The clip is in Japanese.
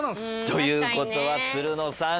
ということはつるのさん